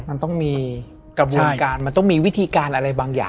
มันต้องมีกระบวนการมันต้องมีวิธีการอะไรบางอย่าง